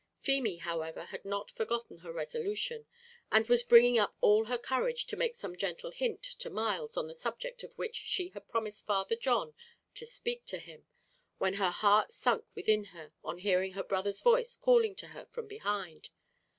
Feemy, however, had not forgotten her resolution, and was bringing up all her courage to make some gentle hint to Myles on the subject on which she had promised Father John to speak to him, when her heart sunk within her, on hearing her brother's voice calling to her from behind.